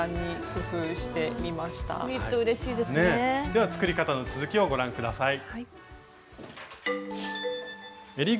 では作り方の続きをご覧下さい。